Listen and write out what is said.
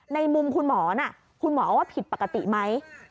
ในมุมคุณหมอน่ะคุณหมอว่าผิดปกติไหม